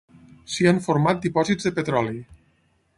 S'hi han format dipòsits de petroli.